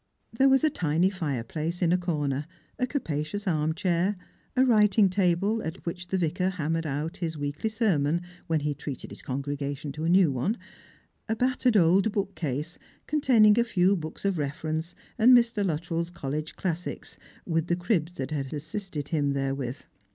There was a tiny fireplace in a corner ; a capacious arm chair ; a wi iting table, at which the Vicar hammered out his weekly sermon when he treated his congregation to a new one ; a battered old book case, containing a few books of reference, and Mr. Luttrell'a college classics, with the cribs that had assisted him therewith.